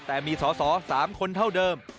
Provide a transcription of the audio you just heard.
แต่มีสอสอ๓คนเท่าเดิม